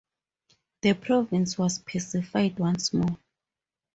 The province was pacified once more.